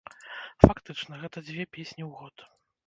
Фактычна, гэта дзве песні ў год.